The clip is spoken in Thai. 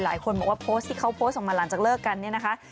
หลายคนบอกว่าโพสต์ที่เขาโพสต์ออกมาหลังจากเลิกกันเนี่ยนะคะ